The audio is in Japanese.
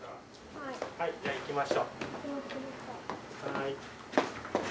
はいじゃあ行きましょう。